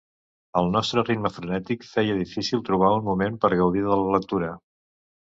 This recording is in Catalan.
El nostre ritme frenètic feia difícil trobar un moment per gaudir de la lectura.